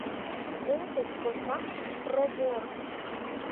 Етыз — кожмак, провор.